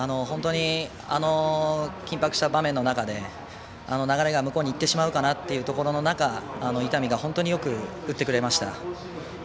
あの緊迫した場面の中で流れが向こうに行ってしまうかなという流れの中伊丹が本当によく打ってくれました。